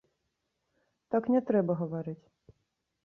Так не трэба гаварыць.